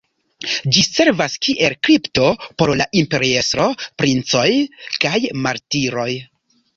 Ĝi servas kiel kripto por la imperiestro, princoj kaj martiroj.